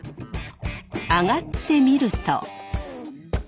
上がってみると。